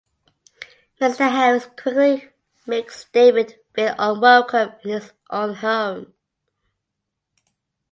Mister Harris quickly makes David feel unwelcome in his own home.